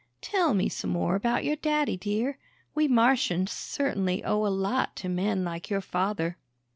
"Tell me some more about your daddy, dear. We Martians certainly owe a lot to men like your father."